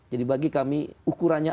jadi bagi kami ukurannya